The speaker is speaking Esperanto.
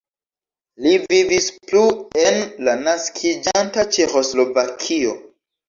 Li vivis plu en la naskiĝanta Ĉeĥoslovakio.